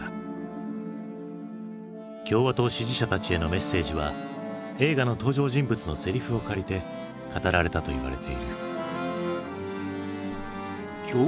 共和党支持者たちへのメッセージは映画の登場人物のセリフを借りて語られたといわれている。